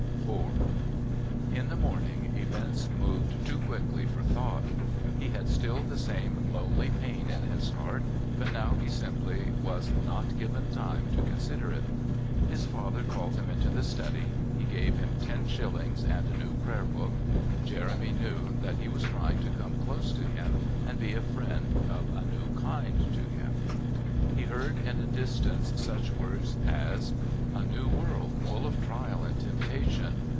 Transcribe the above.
IV In the morning events moved too quickly for thought. He had still the same lonely pain at his heart, but now he simply was not given time to consider it. His father called him into the study. He gave him ten shillings and a new prayer book. Jeremy knew that he was trying to come close to him and be a friend of a new kind to him. He heard in a distance such words as: "... a new world, full of trial and temptation.